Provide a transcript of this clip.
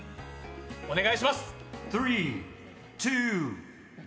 お願いします。